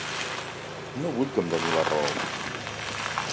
No vull que em doni la raó.